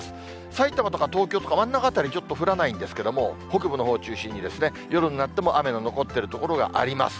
埼玉とか東京とか真ん中辺り、ちょっと降らないんですけれども、北部のほうを中心に、夜になっても雨が残っている所があります。